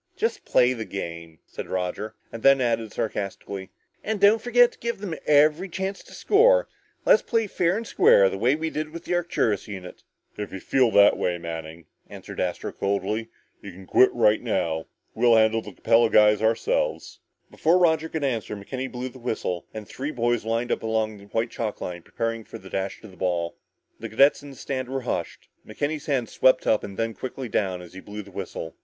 "Just play the game," said Roger. And then added sarcastically, "And don't forget to give them every chance to score. Let's play fair and square, the way we did with the Arcturus unit." "If you feel that way, Manning," answered Astro coldly, "you can quit right now! We'll handle the Capella guys ourselves!" Before Roger could answer, McKenny blew the ready whistle and the three boys lined up along the white chalk line preparing for the dash to the waiting ball. The cadets in the stands were hushed. McKenny's hand swept up and then quickly down as he blew the whistle.